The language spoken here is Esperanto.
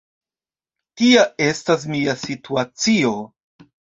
Tia estas mia situacio.